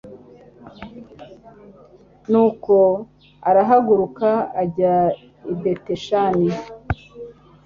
nuko arahaguruka ajya i betishani